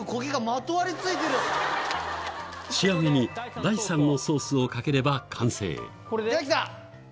仕上げに第３のソースをかければ完成出来た！